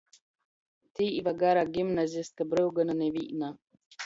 Tīva, gara gimnazistka, bryuguona nivīna!